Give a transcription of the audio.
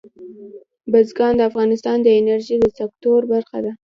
بزګان د افغانستان د انرژۍ د سکتور برخه ده.